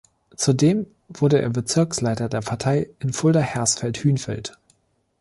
Zudem wurde er Bezirksleiter der Partei in Fulda-Hersfeld-Hünfeld.